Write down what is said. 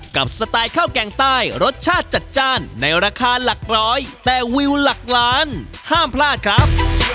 สไตล์ข้าวแกงใต้รสชาติจัดจ้านในราคาหลักร้อยแต่วิวหลักล้านห้ามพลาดครับ